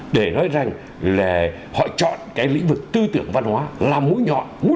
để nói rằng là họ chọn cái lĩnh vực tư tưởng văn hóa là mũi nhọn mũi đột phá để tấn công